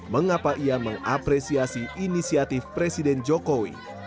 mengapa ia mengapresiasi inisiatif presiden joko widodo